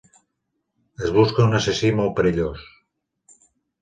Es busca un assassí molt perillós